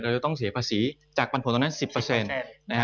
เราจะต้องเสียภาษีจากปันผลตรงนั้น๑๐